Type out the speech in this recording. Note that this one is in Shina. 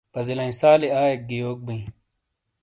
پزیلائیں سالی ائیک گی یوک بئی ؟